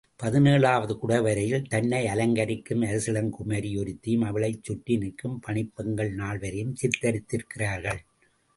பதினேழாவது குடைவரையில் தன்னை அலங்கரிக்கும் அரசிளங்குமரி ஒருத்தியும் அவளைச் சுற்றி நிற்கும் பணிப் பெண்கள் நால்வரையும் சித்திரித்திருக்கிறார்கள்.